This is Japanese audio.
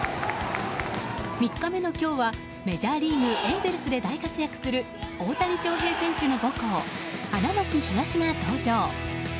３日目の今日はメジャーリーグ、エンゼルスで大活躍する大谷翔平選手の母校花巻東が登場。